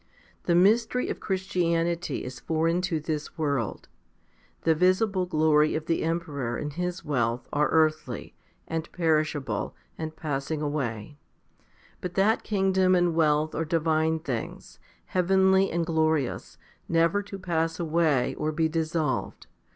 The mystery of Christianity is foreign to this world. The visible glory of the emperor and his wealth are earthly, and perishable, and passing away; but that kingdom and wealth are divine things, heavenly and glorious, never to pass away or be dissolved.